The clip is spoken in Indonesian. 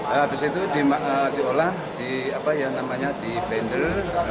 habis itu diolah di apa ya namanya di bender